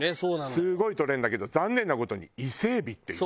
すごいとれるんだけど残念な事に伊勢海老っていう。